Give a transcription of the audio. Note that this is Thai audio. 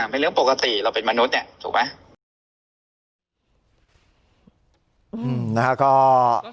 เป็นเรื่องปกติเราเป็นมนุษย์เนี่ยถูกไหม